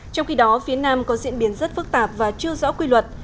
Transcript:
trong khi đó phía nam có diễn biến rất phức tạp và chưa rõ quy luật